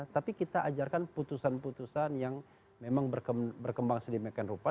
tapi kita ajarkan putusan putusan yang memang berkembang sedemikian rupa